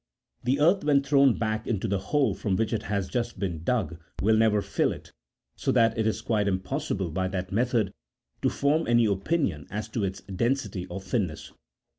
33 The earth when thrown back into the hole from which it has just been dug will never34 fill it, so that it is quite impossible by that method to form any opinion as to its density or thin ness.